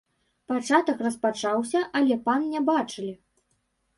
Пачатак распачаўся, але пан не бачылі.